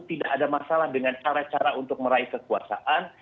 tidak ada masalah dengan cara cara untuk meraih kekuasaan